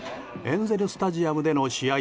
エンゼル・スタジアムでの試合